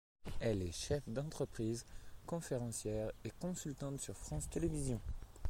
Elle est chef d'entreprise, conférencière et consultante sur France Télévisions.